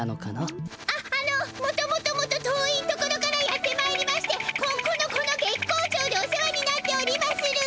ああのもともともと遠い所からやってまいりましてここのこの月光町でお世話になっておりまする。